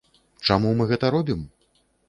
Чаму мы гэта робім?